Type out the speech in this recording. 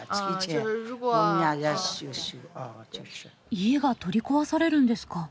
家が取り壊されるんですか。